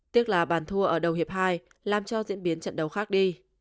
tức là bàn thua ở đầu hiệp hai làm cho diễn biến trận đấu khác đi